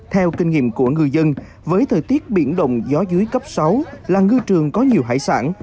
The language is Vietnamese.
theo kinh nghiệm của ngư dân với thời tiết biển động gió dưới cấp sáu là ngư trường có nhiều hải sản